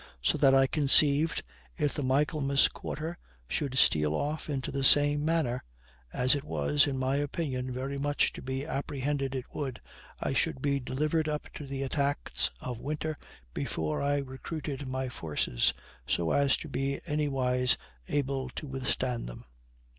So that I conceived, if the Michaelmas quarter should steal off in the same manner, as it was, in my opinion, very much to be apprehended it would, I should be delivered up to the attacks of winter before I recruited my forces, so as to be anywise able to withstand them.